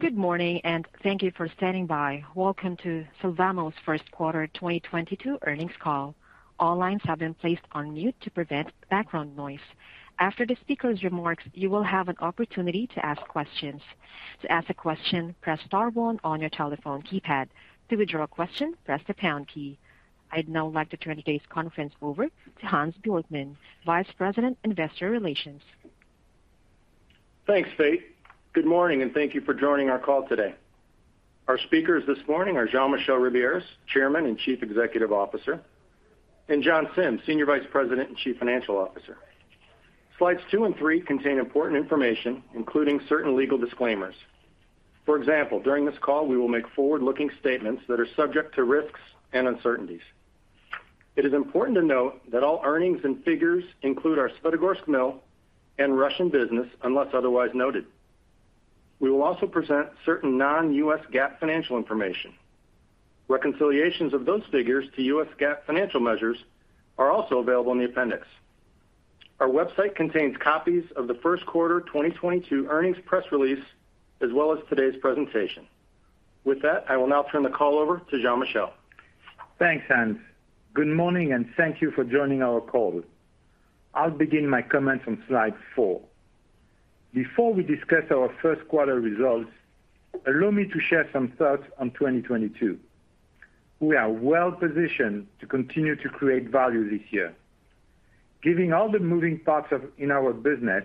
Good morning, and thank you for standing by. Welcome to Sylvamo's Q1 2022 earnings call. All lines have been placed on mute to prevent background noise. After the speaker's remarks, you will have an opportunity to ask questions. To ask a question, press star one on your telephone keypad. To withdraw a question, press the pound key. I'd now like to turn today's conference over to Hans Bjorkman, Vice President, Investor Relations. Thanks, Faith. Good morning, and thank you for joining our call today. Our speakers this morning are Jean-Michel Ribiéras, Chairman and Chief Executive Officer, and John Sims, Senior Vice President and Chief Financial Officer. Slides two and three contain important information, including certain legal disclaimers. For example, during this call, we will make forward-looking statements that are subject to risks and uncertainties. It is important to note that all earnings and figures include our Svetogorsk mill and Russian business, unless otherwise noted. We will also present certain non-GAAP financial information. Reconciliations of those figures to US GAAP financial measures are also available in the appendix. Our website contains copies of the Q1 2022 earnings press release, as well as today's presentation. With that, I will now turn the call over to Jean-Michel. Thanks, Hans. Good morning, and thank you for joining our call. I'll begin my comments on slide four. Before we discuss our Q1 results, allow me to share some thoughts on 2022. We are well positioned to continue to create value this year. Given all the moving parts in our business,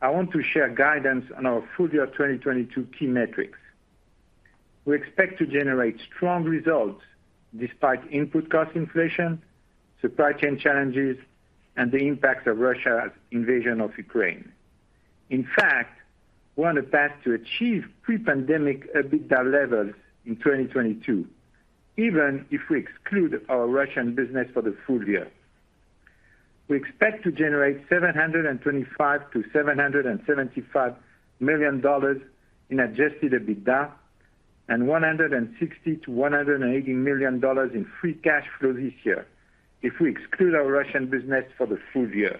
I want to share guidance on our full year 2022 key metrics. We expect to generate strong results despite input cost inflation, supply chain challenges, and the impacts of Russia's invasion of Ukraine. In fact, we're on the path to achieve pre-pandemic EBITDA levels in 2022, even if we exclude our Russian business for the full year. We expect to generate $725 million-$775 million in adjusted EBITDA and $160 million-$180 million in free cash flow this year if we exclude our Russian business for the full year.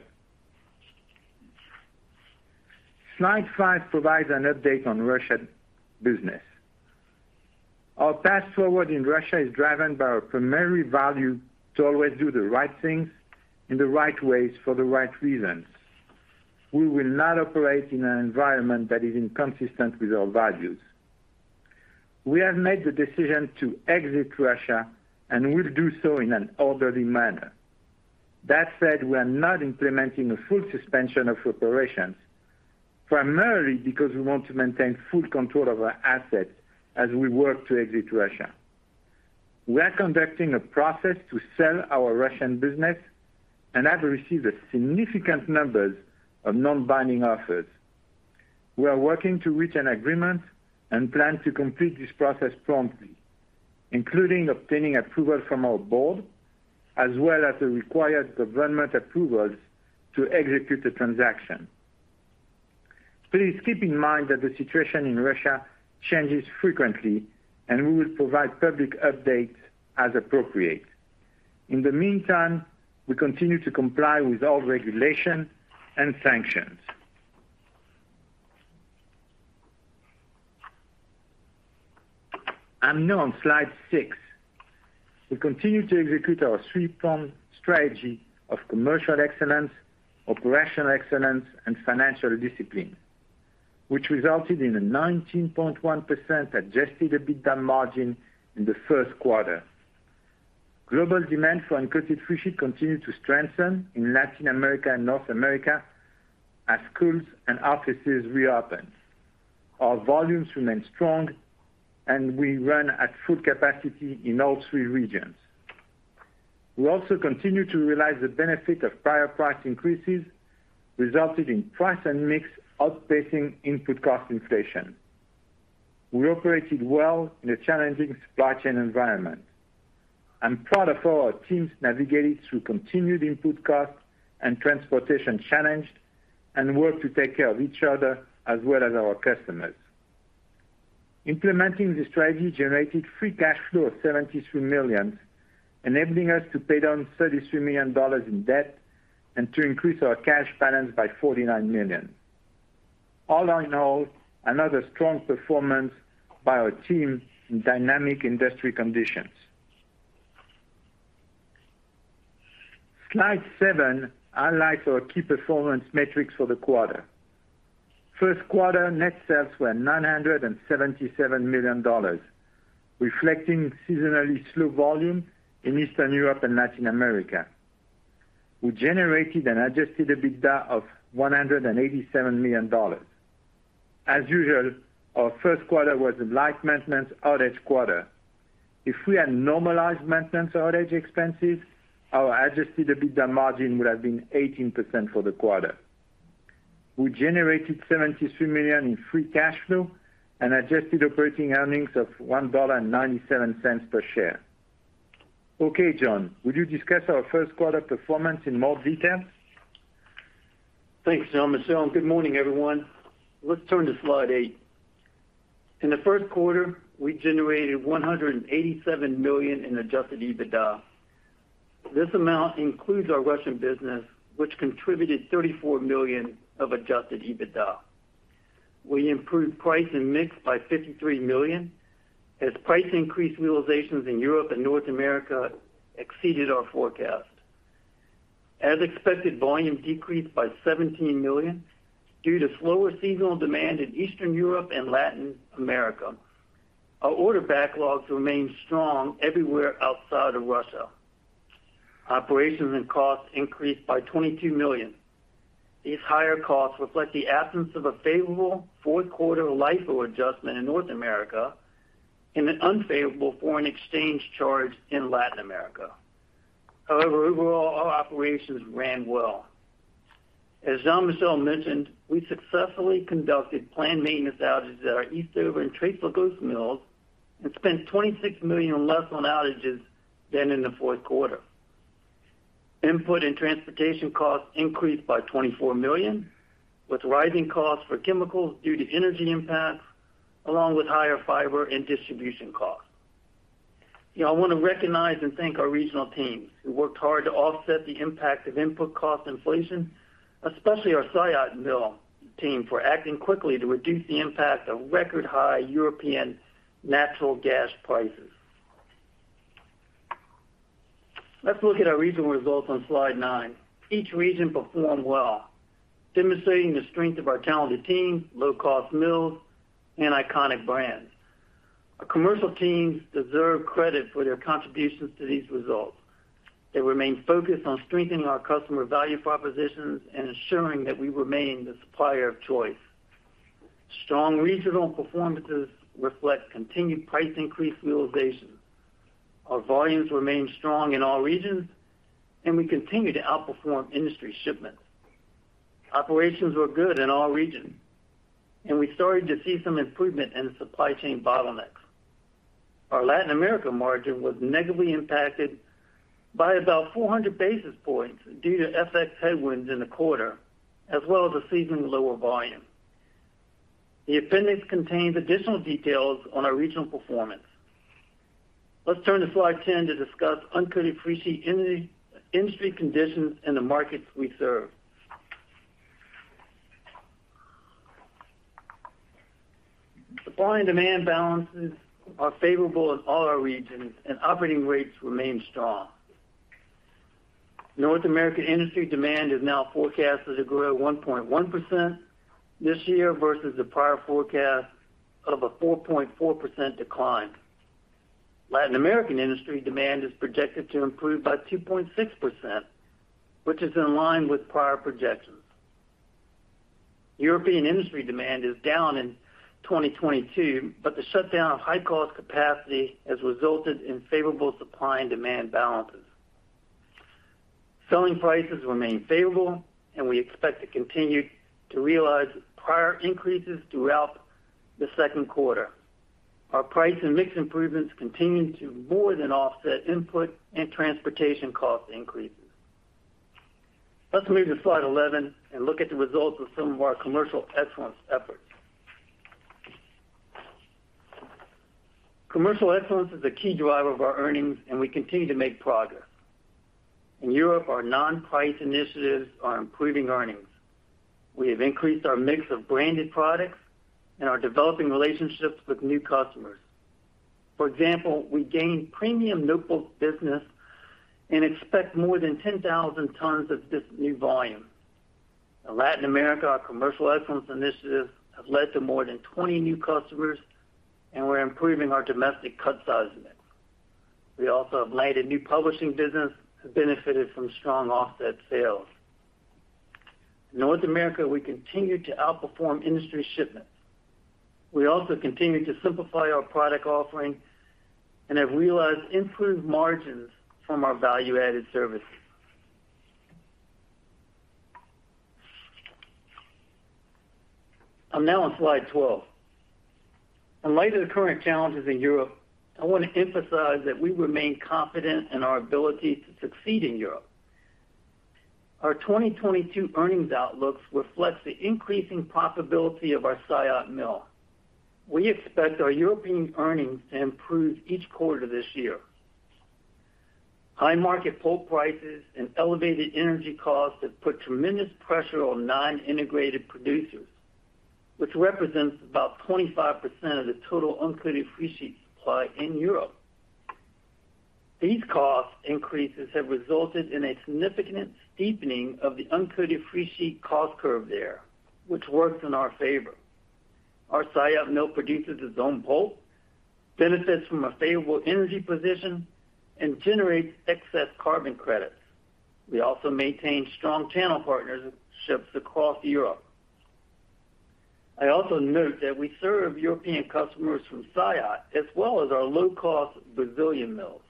Slide five provides an update on Russian business. Our path forward in Russia is driven by our primary value to always do the right things in the right ways for the right reasons. We will not operate in an environment that is inconsistent with our values. We have made the decision to exit Russia, and we'll do so in an orderly manner. That said, we are not implementing a full suspension of operations, primarily because we want to maintain full control of our assets as we work to exit Russia. We are conducting a process to sell our Russian business and have received a significant numbers of non-binding offers. We are working to reach an agreement and plan to complete this process promptly, including obtaining approval from our board, as well as the required government approvals to execute the transaction. Please keep in mind that the situation in Russia changes frequently, and we will provide public updates as appropriate. In the meantime, we continue to comply with all regulations and sanctions. Now on slide six. We continue to execute our three-pronged strategy of commercial excellence, operational excellence, and financial discipline, which resulted in a 19.1% adjusted EBITDA margin in the Q1. Global demand for uncoated freesheet continued to strengthen in Latin America and North America as schools and offices reopened. Our volumes remain strong, and we run at full capacity in all three regions. We also continue to realize the benefit of prior price increases, resulting in price and mix outpacing input cost inflation. We operated well in a challenging supply chain environment. I'm proud of how our teams navigated through continued input costs and transportation challenges and worked to take care of each other as well as our customers. Implementing the strategy generated free cash flow of $73 million, enabling us to pay down $33 million in debt and to increase our cash balance by $49 million. All in all, another strong performance by our team in dynamic industry conditions. Slide seven highlights our key performance metrics for the quarter. Q1 net sales were $977 million, reflecting seasonally slow volume in Eastern Europe and Latin America. We generated an adjusted EBITDA of $187 million. As usual, our Q1 was a light maintenance outage quarter. If we had normalized maintenance outage expenses, our adjusted EBITDA margin would have been 18% for the quarter. We generated $73 million in free cash flow and adjusted operating earnings of $1.97 per share. Okay, John, would you discuss our Q1 performance in more detail? Thanks, Jean-Michel. Good morning, everyone. Let's turn to slide eight. In the Q1 we generated $187 million in adjusted EBITDA. This amount includes our Russian business, which contributed $34 million of adjusted EBITDA. We improved price and mix by $53 million, as price increase realizations in Europe and North America exceeded our forecast. As expected, volume decreased by $17 million due to slower seasonal demand in Eastern Europe and Latin America. Our order backlogs remain strong everywhere outside of Russia. Operations and costs increased by $22 million. These higher costs reflect the absence of a favorable fourth quarter LIFO adjustment in North America, and an unfavorable foreign exchange charge in Latin America. However, overall, our operations ran well. As Jean-Michel Ribiéras mentioned, we successfully conducted planned maintenance outages at our Eastover and Três Lagoas mills, and spent $26 million less on outages than in the Q4. Input and transportation costs increased by $24 million, with rising costs for chemicals due to energy impacts, along with higher fiber and distribution costs. You know, I wanna recognize and thank our regional teams who worked hard to offset the impact of input cost inflation, especially our Saillat mill team for acting quickly to reduce the impact of record high European natural gas prices. Let's look at our regional results on slide nine. Each region performed well, demonstrating the strength of our talented teams, low-cost mills, and iconic brands. Our commercial teams deserve credit for their contributions to these results. They remain focused on strengthening our customer value propositions and ensuring that we remain the supplier of choice. Strong regional performances reflect continued price increase realization. Our volumes remain strong in all regions, and we continue to outperform industry shipments. Operations were good in all regions, and we started to see some improvement in supply chain bottlenecks. Our Latin America margin was negatively impacted by about 400 basis points due to FX headwinds in the quarter, as well as a seasonally lower volume. The appendix contains additional details on our regional performance. Let's turn to slide 10 to discuss uncoated freesheet industry conditions in the markets we serve. Supply and demand balances are favorable in all our regions, and operating rates remain strong. North American industry demand is now forecasted to grow at 1.1% this year versus the prior forecast of a 4.4% decline. Latin American industry demand is projected to improve by 2.6%, which is in line with prior projections. European industry demand is down in 2022, but the shutdown of high-cost capacity has resulted in favorable supply and demand balances. Selling prices remain favorable, and we expect to continue to realize prior increases throughout the Q2. Our price and mix improvements continue to more than offset input and transportation cost increases. Let's move to slide 11 and look at the results of some of our commercial excellence efforts. Commercial excellence is a key driver of our earnings, and we continue to make progress. In Europe, our non-price initiatives are improving earnings. We have increased our mix of branded products and are developing relationships with new customers. For example, we gained premium notebooks business and expect more than 10,000 tons of this new volume. In Latin America, our commercial excellence initiatives have led to more than 20 new customers, and we're improving our domestic cut size mix. We also have landed new publishing business that benefited from strong offset sales. In North America, we continue to outperform industry shipments. We also continue to simplify our product offerings and have realized improved margins from our value-added services. I'm now on slide 12. In light of the current challenges in Europe, I wanna emphasize that we remain confident in our ability to succeed in Europe. Our 2022 earnings outlook reflects the increasing profitability of our Saillat mill. We expect our European earnings to improve each quarter this year. High market pulp prices and elevated energy costs have put tremendous pressure on non-integrated producers, which represents about 25% of the total uncoated freesheet supply in Europe. These cost increases have resulted in a significant steepening of the uncoated freesheet cost curve there, which works in our favor. Our Saillat mill produces its own pulp, benefits from a favorable energy position, and generates excess carbon credits. We also maintain strong channel partnerships across Europe. I also note that we serve European customers from Saillat as well as our low-cost Brazilian mills.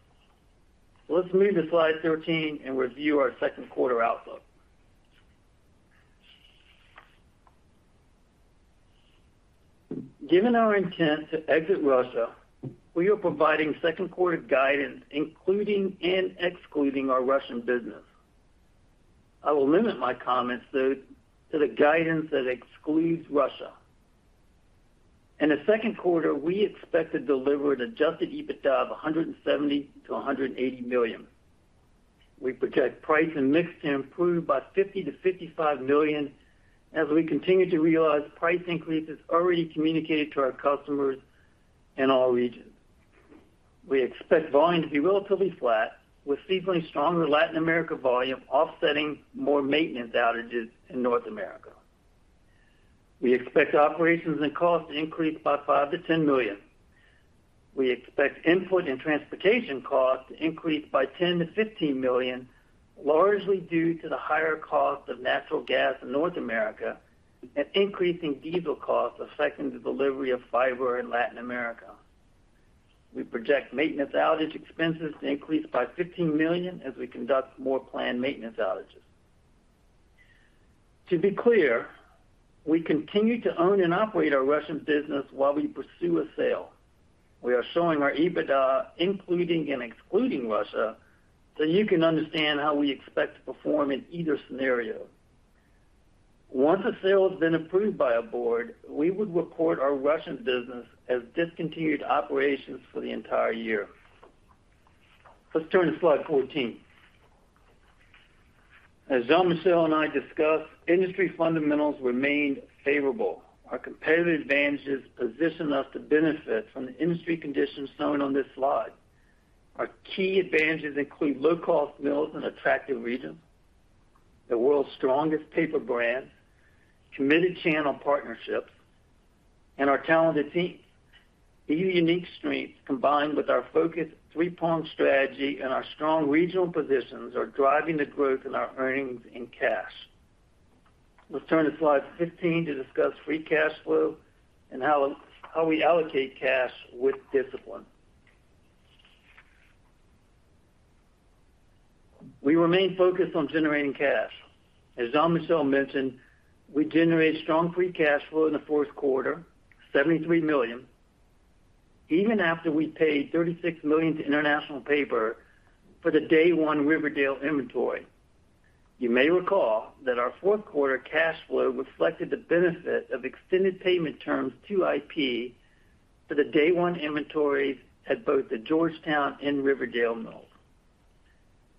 Let's move to slide 13 and review our Q2 outlook. Given our intent to exit Russia, we are providing Q2 guidance including and excluding our Russian business. I will limit my comments, though, to the guidance that excludes Russia. In the Q2, we expect to deliver an adjusted EBITDA of $170 million-$180 million. We project price and mix to improve by $50 million-$55 million as we continue to realize price increases already communicated to our customers in all regions. We expect volume to be relatively flat, with seasonally stronger Latin America volume offsetting more maintenance outages in North America. We expect operations and costs to increase by $5 million-$10 million. We expect input and transportation costs to increase by $10 million-$15 million, largely due to the higher cost of natural gas in North America and increasing diesel costs affecting the delivery of fiber in Latin America. We project maintenance outage expenses to increase by $15 million as we conduct more planned maintenance outages. To be clear, we continue to own and operate our Russian business while we pursue a sale. We are showing our EBITDA including and excluding Russia, so you can understand how we expect to perform in either scenario. Once a sale has been approved by our board, we would report our Russian business as discontinued operations for the entire year. Let's turn to slide 14. As Jean-Michel and I discussed, industry fundamentals remain favorable. Our competitive advantages position us to benefit from the industry conditions shown on this slide. Our key advantages include low-cost mills in attractive regions, the world's strongest paper brands, committed channel partnerships, and our talented teams. These unique strengths, combined with our focused three-prong strategy and our strong regional positions, are driving the growth in our earnings and cash. Let's turn to slide 15 to discuss free cash flow and how we allocate cash with discipline. We remain focused on generating cash. As Jean-Michel mentioned, we generated strong free cash flow in the Q4, $73 million, even after we paid $36 million to International Paper for the day one Riverdale inventory. You may recall that our Q4 cash flow reflected the benefit of extended payment terms to IP for the day one inventories at both the Georgetown and Riverdale mills.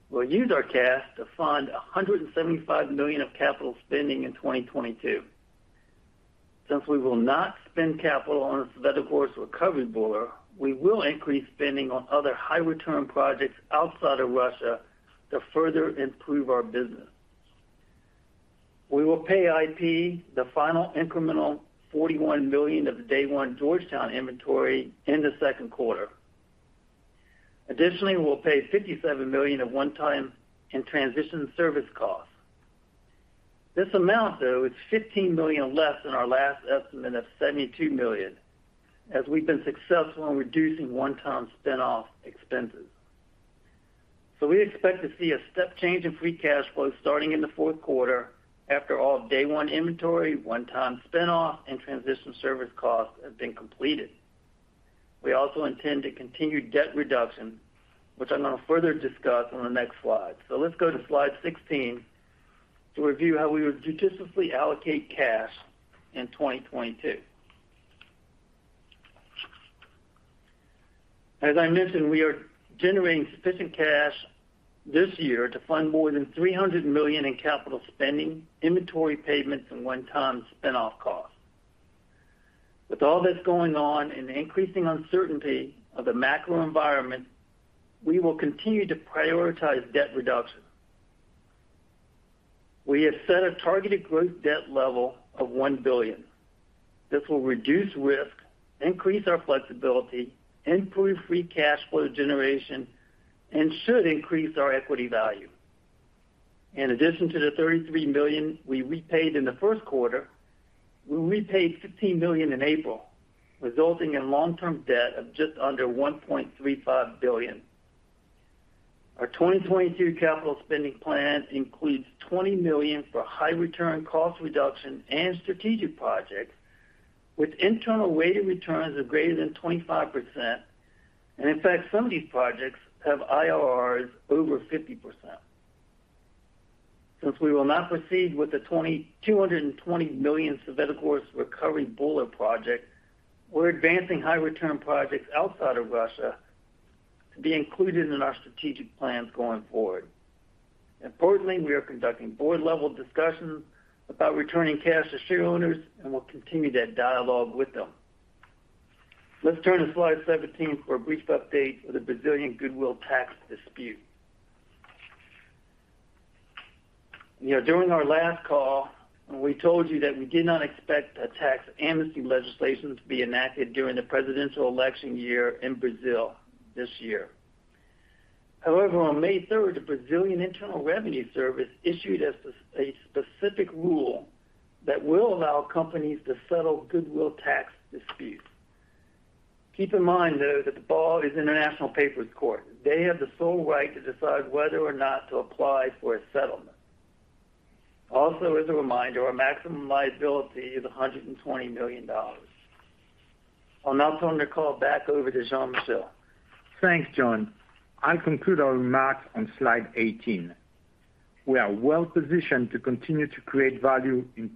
We'll use our cash to fund $175 million of capital spending in 2022. Since we will not spend capital on Svetogorsk recovery boiler, we will increase spending on other high-return projects outside of Russia to further improve our business. We will pay IP the final incremental $41 million of the day one Georgetown inventory in the Q2. Additionally, we'll pay $57 million of one-time and transition service costs. This amount, though, is $15 million less than our last estimate of $72 million, as we've been successful in reducing one-time spin-off expenses. We expect to see a step change in free cash flow starting in the Q4 after all day one inventory, one-time spin-off, and transition service costs have been completed. We also intend to continue debt reduction, which I'm going to further discuss on the next slide. Let's go to slide 16 to review how we would judiciously allocate cash in 2022. As I mentioned, we are generating sufficient cash this year to fund more than $300 million in capital spending, inventory payments, and one-time spin-off costs. With all this going on and the increasing uncertainty of the macro environment, we will continue to prioritize debt reduction. We have set a targeted gross debt level of $1 billion. This will reduce risk, increase our flexibility, improve free cash flow generation, and should increase our equity value. In addition to the $33 million we repaid in the Q1, we repaid $15 million in April, resulting in long-term debt of just under $1.35 billion. Our 2022 capital spending plan includes $20 million for high-return cost reduction and strategic projects with internal weighted returns of greater than 25%. In fact, some of these projects have IRRs over 50%. Since we will not proceed with the $222 million Svetogorsk recovery boiler project, we're advancing high-return projects outside of Russia to be included in our strategic plans going forward. Importantly, we are conducting board-level discussions about returning cash to shareholders, and we'll continue that dialogue with them. Let's turn to slide 17 for a brief update of the Brazilian goodwill tax dispute. You know, during our last call, we told you that we did not expect a tax amnesty legislation to be enacted during the presidential election year in Brazil this year. However, on May 3, the Brazilian Internal Revenue Service issued a specific rule that will allow companies to settle goodwill tax disputes. Keep in mind, though, that the ball is in International Paper's court. They have the sole right to decide whether or not to apply for a settlement. Also, as a reminder, our maximum liability is $120 million. I'll now turn the call back over to Jean-Michel. Thanks, John. I conclude our remarks on slide 18. We are well positioned to continue to create value in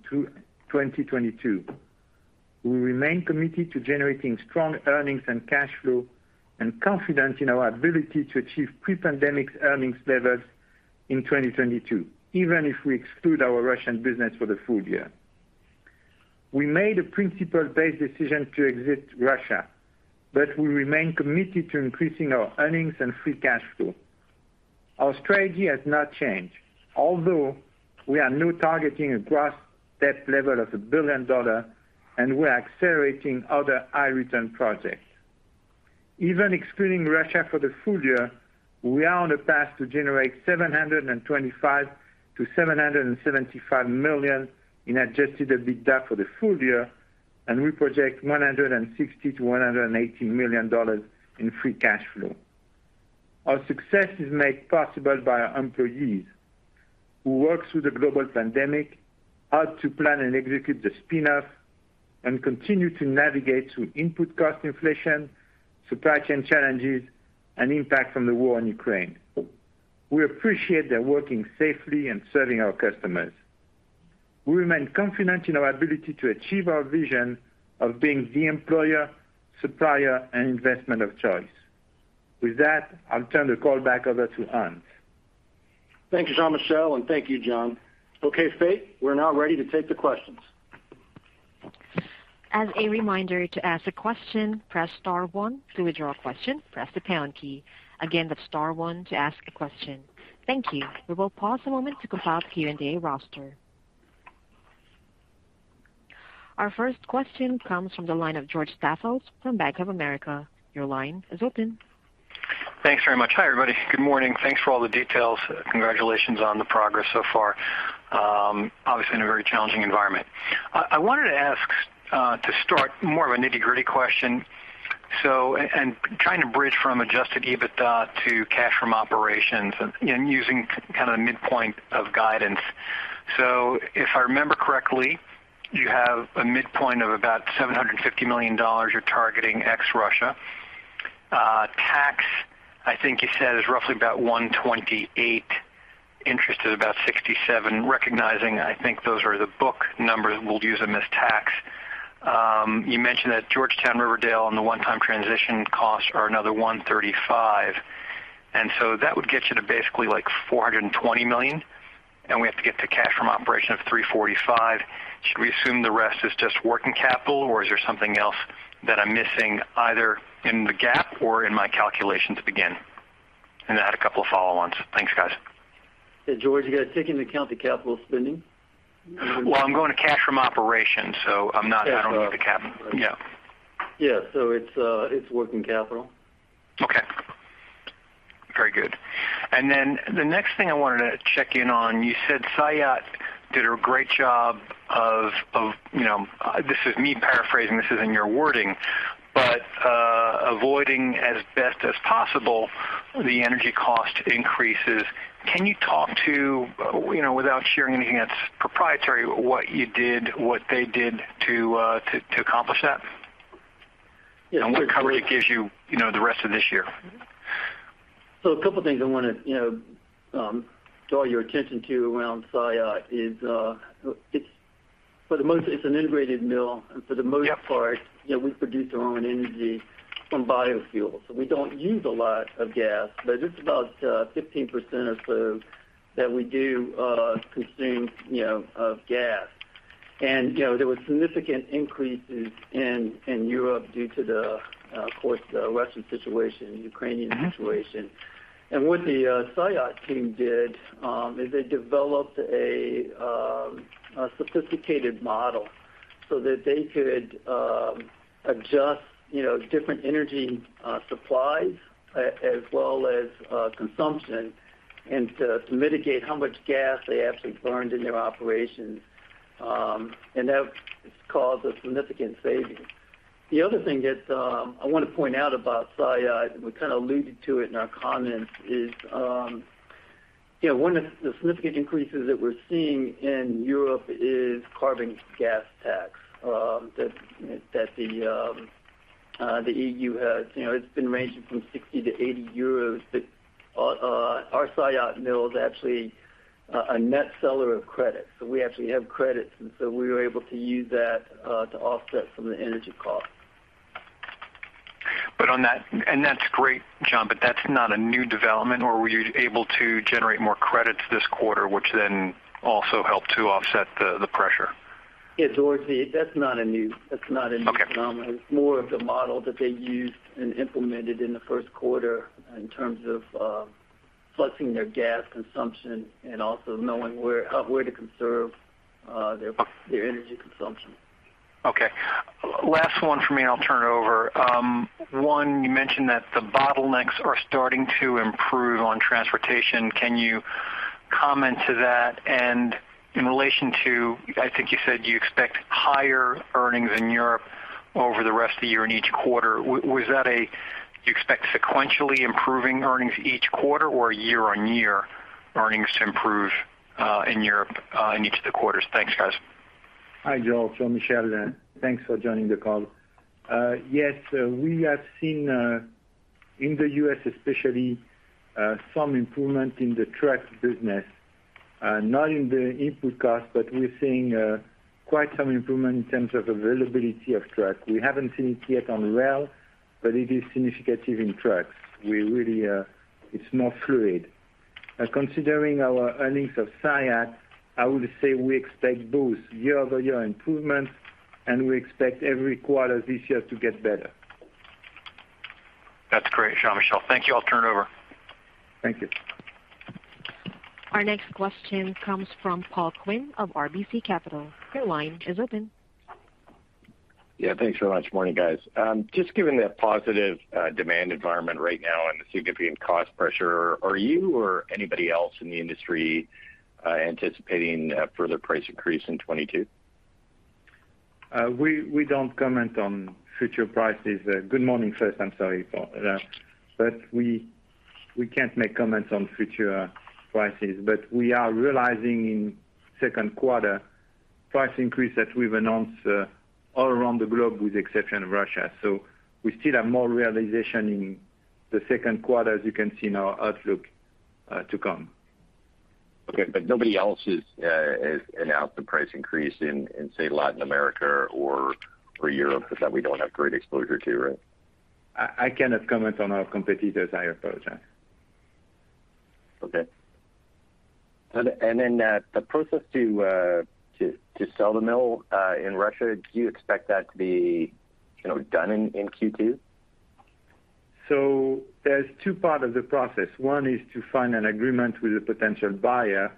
2022. We remain committed to generating strong earnings and cash flow and confident in our ability to achieve pre-pandemic earnings levels in 2022, even if we exclude our Russian business for the full year. We made a principle-based decision to exit Russia, but we remain committed to increasing our earnings and free cash flow. Our strategy has not changed, although we are now targeting a gross debt level of $1 billion and we're accelerating other high return projects. Even excluding Russia for the full year, we are on a path to generate $725 million-$775 million in adjusted EBITDA for the full year, and we project $160 million-$180 million in free cash flow. Our success is made possible by our employees who worked through the global pandemic, had to plan and execute the spin-off, and continue to navigate through input cost inflation, supply chain challenges, and impact from the war in Ukraine. We appreciate their working safely and serving our customers. We remain confident in our ability to achieve our vision of being the employer, supplier, and investment of choice. With that, I'll turn the call back over to Hans. Thank you, Jean-Michel, and thank you, John. Okay, Faith. We're now ready to take the questions. As a reminder, to ask a question, press star one. To withdraw a question, press the pound key. Again, that's star one to ask a question. Thank you. We will pause a moment to compile the Q&A roster. Our first question comes from the line of George Staphos from Bank of America. Your line is open. Thanks very much. Hi, everybody. Good morning. Thanks for all the details. Congratulations on the progress so far, obviously in a very challenging environment. I wanted to ask, to start more of a nitty-gritty question, and trying to bridge from adjusted EBITDA to cash from operations and using kind of the midpoint of guidance. If I remember correctly, you have a midpoint of about $750 million you're targeting ex-Russia. Tax, I think you said, is roughly about $128. Interest is about $67. Recognizing, I think those are the book numbers, we'll use them as tax. You mentioned that Georgetown, Riverdale, and the one-time transition costs are another $135. That would get you to basically, like, $420 million, and we have to get to cash from operations of $345. Should we assume the rest is just working capital or is there something else that I'm missing either in the gap or in my calculations to begin? I had a couple of follow-ons. Thanks, guys. Yeah, George, you guys take into account the capital spending? Well, I'm going to cash from operations, so I'm not. Yeah. I don't need the cap. Yeah. Yeah. It's working capital. Okay. Very good. The next thing I wanted to check in on, you said Saillat did a great job of, you know, this is me paraphrasing, this isn't your wording, but, avoiding as best as possible the energy cost increases. Can you talk to, you know, without sharing anything that's proprietary, what you did, what they did to accomplish that? Yeah. What coverage it gives you know, the rest of this year. A couple of things I wanna, you know, draw your attention to around Saillat. It's an integrated mill, and for the most part. Yeah. You know, we produce our own energy from biofuels. We don't use a lot of gas, but it's about 15% or so that we do consume, you know, of gas. You know, there were significant increases in Europe due to, of course, the Russian situation, the Ukrainian situation. What the Saillat team did is they developed a sophisticated model so that they could adjust, you know, different energy supplies as well as consumption and to mitigate how much gas they actually burned in their operations. That's caused a significant savings. The other thing that I wanna point out about Saillat, we kinda alluded to it in our comments, is you know, one of the significant increases that we're seeing in Europe is carbon tax that the EU has. You know, it's been ranging from 60-80 euros. Our Saillat mill is actually a net seller of credit, so we actually have credits, and so we were able to use that to offset some of the energy costs. On that. That's great, John, but that's not a new development, or were you able to generate more credits this quarter, which then also helped to offset the pressure? Yeah, George, that's not a new development. Okay. It's more of the model that they used and implemented in the Q1 in terms of flexing their gas consumption and also knowing where to conserve their energy consumption. Okay. Last one for me, and I'll turn it over. One, you mentioned that the bottlenecks are starting to improve on transportation. Can you comment on that? In relation to, I think you said you expect higher earnings in Europe over the rest of the year in each quarter. Do you expect sequentially improving earnings each quarter or year-on-year earnings to improve in Europe in each of the quarters? Thanks, guys. Hi, George Staphos. Jean-Michel Ribiéras. Thanks for joining the call. Yes, we have seen in the US especially some improvement in the truck business. Not in the input cost, but we're seeing quite some improvement in terms of availability of truck. We haven't seen it yet on rail, but it is significant even in trucks. We really. It's more fluid. Considering our earnings of Saillat, I would say we expect both year-over-year improvements, and we expect every quarter this year to get better. That's great, Jean-Michel. Thank you. I'll turn it over. Thank you. Our next question comes from Paul Quinn of RBC Capital Markets. Your line is open. Yeah, thanks so much. Morning, guys. Just given the positive demand environment right now and the significant cost pressure, are you or anybody else in the industry anticipating a further price increase in 2022? We don't comment on future prices. Good morning, first. I'm sorry for that. We can't make comments on future prices. We are realizing in Q2 price increase that we've announced, all around the globe, with the exception of Russia. We still have more realization in the Q2, as you can see in our outlook, to come. Okay, nobody else has announced a price increase in, say, Latin America or Europe that we don't have great exposure to, right? I cannot comment on our competitor's IR approach. The process to sell the mill in Russia, do you expect that to be, you know, done in Q2? There's two parts of the process. One is to find an agreement with a potential buyer,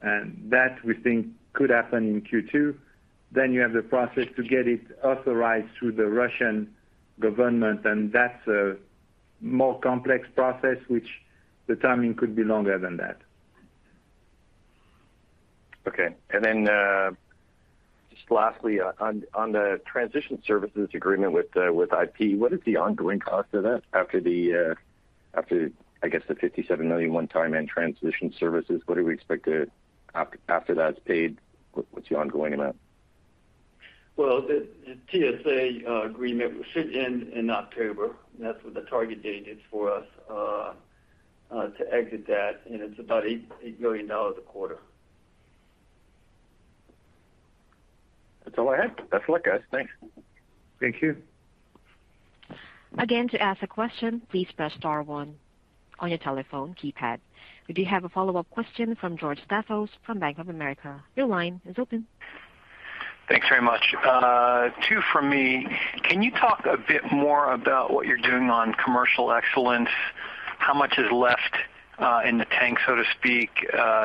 and that we think could happen in Q2. You have the process to get it authorized through the Russian government, and that's a more complex process which the timing could be longer than that. Okay. Just lastly, on the transition services agreement with IP, what is the ongoing cost of that after the, I guess, $57 million one-time and transition services? What do we expect after that's paid? What's the ongoing amount? Well, the TSA agreement should end in October. That's what the target date is for us to exit that, and it's about $8 million a quarter. That's all I had. Best of luck, guys. Thanks. Thank you. Again, to ask a question, please press star one on your telephone keypad. We do have a follow-up question from George Staphos from Bank of America. Your line is open. Thanks very much. Two from me. Can you talk a bit more about what you're doing on commercial excellence? How much is left in the tank, so to speak?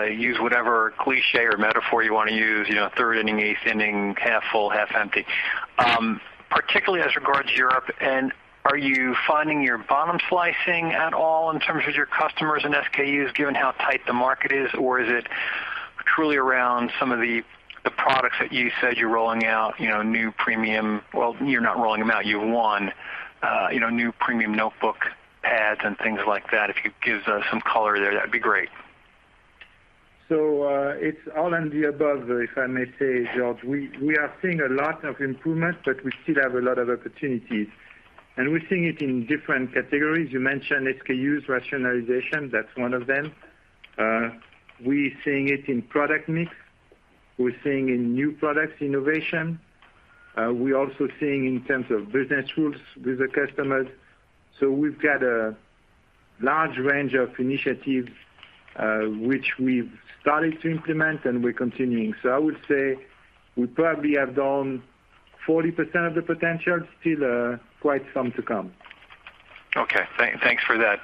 Use whatever cliché or metaphor you wanna use, you know, third inning, eighth inning, half full, half empty. Particularly as regards to Europe, and are you finding your bottom slicing at all in terms of your customers and SKUs, given how tight the market is? Or is it truly around some of the products that you said you're rolling out, you know, new premium. Well, you're not rolling them out. You own, you know, new premium notebook pads and things like that. If you could give us some color there, that'd be great. It's all in the above, if I may say, George. We are seeing a lot of improvement, but we still have a lot of opportunities. We're seeing it in different categories. You mentioned SKUs rationalization, that's one of them. We're seeing it in product mix. We're seeing in new products innovation. We're also seeing in terms of business rules with the customers. We've got a large range of initiatives, which we've started to implement and we're continuing. I would say we probably have done 40% of the potential. Still, quite some to come. Okay. Thanks for that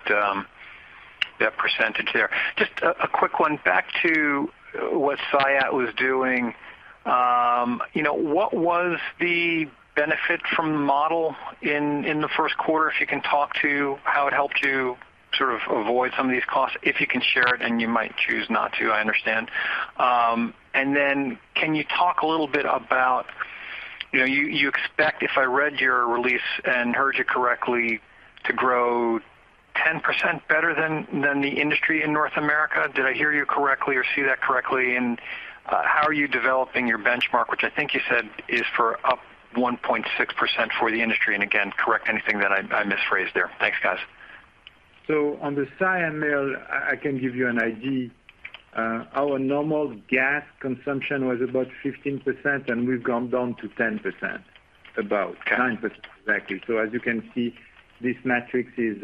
percentage there. Just a quick one. Back to what Saillat was doing, you know, what was the benefit from the model in the Q1? If you can talk to how it helped you sort of avoid some of these costs, if you can share it, and you might choose not to, I understand. Then can you talk a little bit about, you know, you expect, if I read your release and heard you correctly, to grow 10% better than the industry in North America. Did I hear you correctly or see that correctly? How are you developing your benchmark, which I think you said is up 1.6% for the industry? Again, correct anything that I misphrased there. Thanks, guys. On the Saillat mill, I can give you an idea. Our normal gas consumption was about 15%, and we've gone down to 10%, about 9%. Exactly. As you can see, this metrics is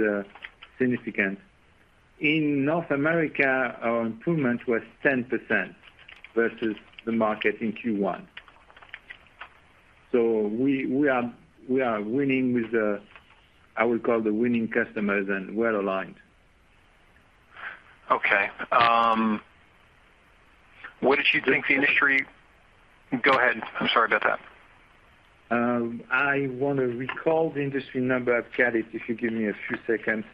significant. In North America, our improvement was 10% versus the market in Q1. We are winning with the, I would call the winning customers and well-aligned. Okay. Go ahead. I'm sorry about that. I want to recall the industry number. I've got it, if you give me a few seconds.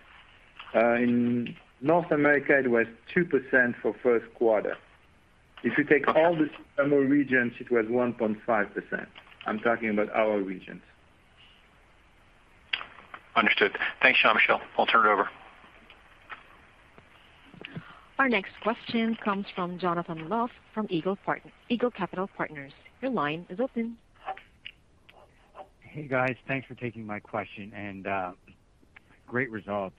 In North America, it was 2% for first quarter. If you take all the total regions, it was 1.5%. I'm talking about our regions. Understood. Thanks, Jean-Michel. I'll turn it over. Our next question comes from Jonathan Love from Eagle Capital Partners. Your line is open. Hey guys. Thanks for taking my question and great results.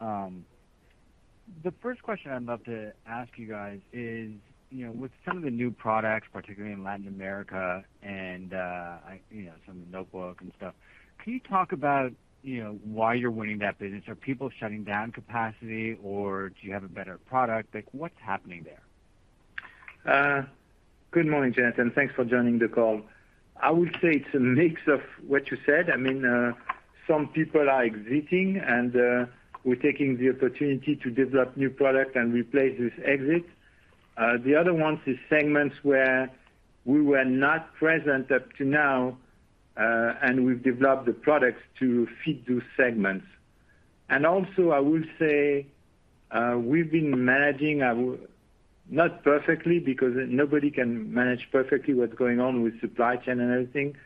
The first question I'd love to ask you guys is, you know, with some of the new products, particularly in Latin America and you know, some of the notebook and stuff. Can you talk about, you know, why you're winning that business? Are people shutting down capacity, or do you have a better product? Like, what's happening there? Good morning, Jonathan. Thanks for joining the call. I would say it's a mix of what you said. I mean, some people are exiting, and we're taking the opportunity to develop new product and replace this exit. The other ones is segments where we were not present up to now, and we've developed the products to fit those segments. Also, I will say, we've been managing not perfectly because nobody can manage perfectly what's going on with supply chain and everything.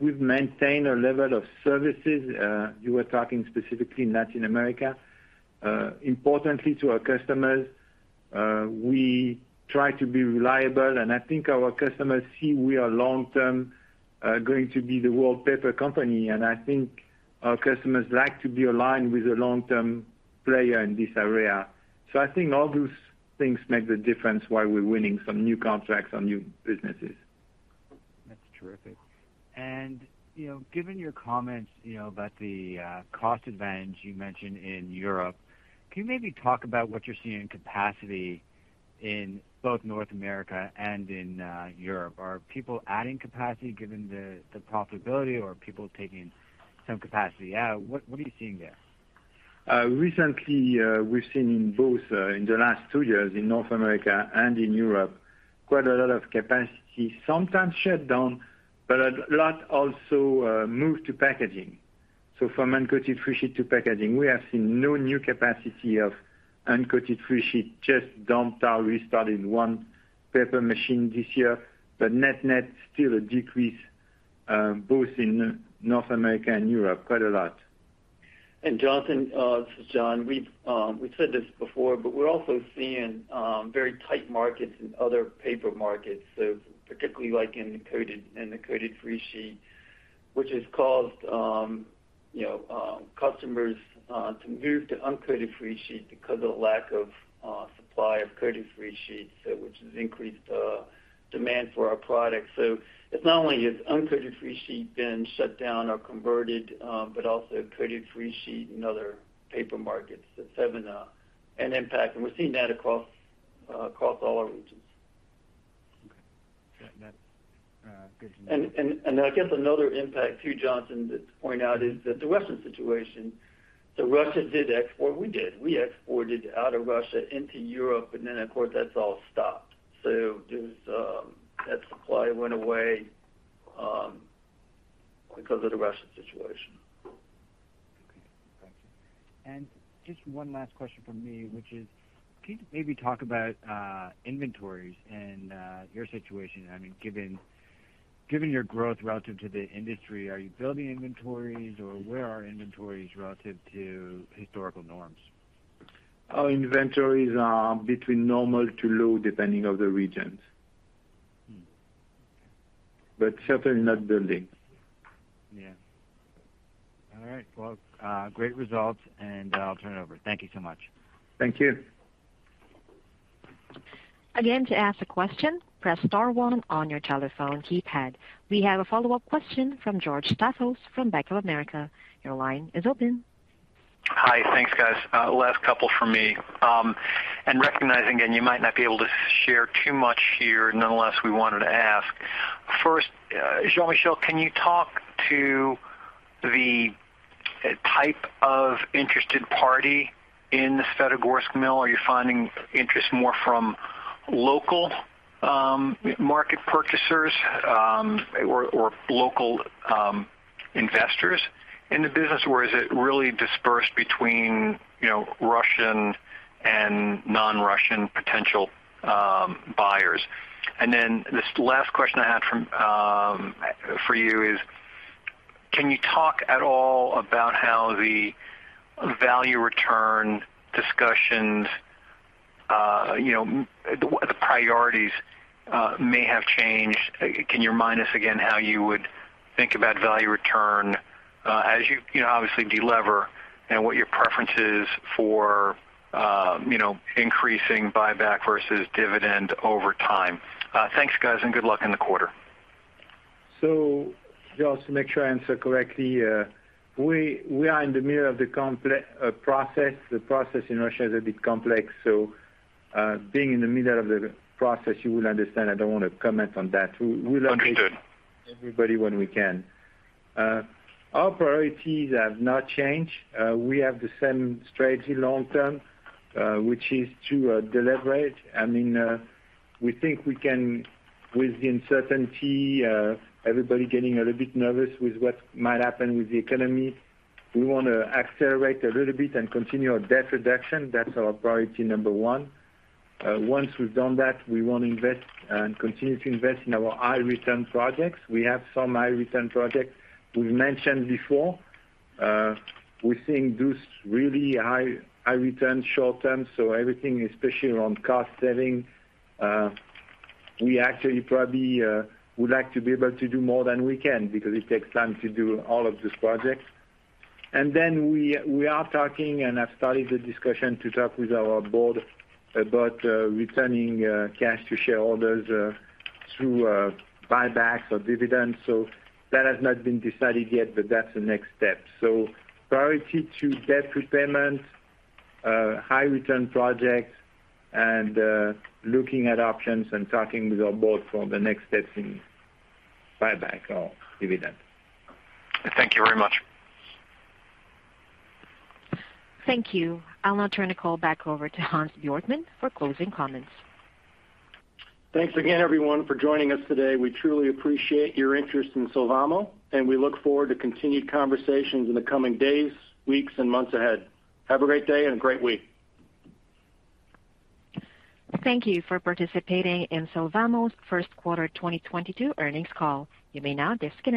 We've maintained a level of services, you were talking specifically in Latin America. Importantly to our customers, we try to be reliable, and I think our customers see we are long-term going to be the world paper company. I think our customers like to be aligned with a long-term player in this area. I think all those things make the difference why we're winning some new contracts or new businesses. That's terrific. You know, given your comments, you know, about the cost advantage you mentioned in Europe, can you maybe talk about what you're seeing in capacity in both North America and in Europe? Are people adding capacity given the profitability, or are people taking some capacity out? What are you seeing there? Recently, we've seen in both, in the last two years in North America and in Europe, quite a lot of capacity sometimes shut down, but a lot also, moved to packaging. From uncoated freesheet to packaging, we have seen no new capacity of uncoated freesheet just downtime. We started one paper machine this year, but net-net still a decrease, both in North America and Europe, quite a lot. Jonathan, this is John. We've said this before, but we're also seeing very tight markets in other paper markets. Particularly like in the coated freesheet, which has caused you know customers to move to uncoated freesheet because of the lack of supply of coated freesheet, which has increased demand for our products. It's not only has uncoated freesheet been shut down or converted, but also coated freesheet in other paper markets that's having an impact, and we're seeing that across all our regions. Okay. That's good to know. I guess another impact too, Jonathan, to point out is that the Russian situation. Russia did export. We did. We exported out of Russia into Europe, but then of course that's all stopped. There's that supply went away because of the Russian situation. Okay. Gotcha. Just one last question from me, which is, can you maybe talk about inventories and your situation? I mean, given your growth relative to the industry, are you building inventories or where are inventories relative to historical norms? Our inventories are between normal to low, depending on the regions. Okay. Certainly not building. Yeah. All right. Well, great results, and I'll turn it over. Thank you so much. Thank you. Again, to ask a question, press star one on your telephone keypad. We have a follow-up question from George Staphos from Bank of America. Your line is open. Hi. Thanks, guys. Last couple from me. Recognizing again, you might not be able to share too much here, nonetheless, we wanted to ask. First, Jean-Michel, can you talk to the type of interested party in the Svetogorsk mill? Are you finding interest more from local market purchasers, or local investors in the business? Or is it really dispersed between, you know, Russian and non-Russian potential buyers? Then this last question I had for you is can you talk at all about how the value return discussions, you know, the priorities, may have changed? Can you remind us again how you would think about value return, as you know, obviously de-lever and what your preference is for, you know, increasing buyback versus dividend over time? Thanks, guys, and good luck in the quarter. George, to make sure I answer correctly, we are in the middle of the process. The process in Russia is a bit complex, so being in the middle of the process, you will understand, I don't want to comment on that. We will update. Understood. As soon as we can. Our priorities have not changed. We have the same strategy long-term, which is to de-leverage. I mean, we think we can with the uncertainty, everybody getting a little bit nervous with what might happen with the economy. We wanna accelerate a little bit and continue our debt reduction. That's our priority number one. Once we've done that, we wanna invest and continue to invest in our high return projects. We have some high return projects we've mentioned before. We're seeing those really high return short-term, so everything especially around cost saving. We actually probably would like to be able to do more than we can because it takes time to do all of these projects. We are talking and have started the discussion to talk with our board about returning cash to shareholders through buybacks or dividends. That has not been decided yet, but that's the next step. Priority to debt repayment, high return projects, and looking at options and talking with our board for the next steps in buyback or dividend. Thank you very much. Thank you. I'll now turn the call back over to Hans Bjorkman for closing comments. Thanks again everyone for joining us today. We truly appreciate your interest in Sylvamo, and we look forward to continued conversations in the coming days, weeks, and months ahead. Have a great day and a great week. Thank you for participating in Sylvamo's Q1 2022 earnings call. You may now disconnect.